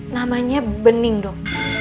namanya bening dok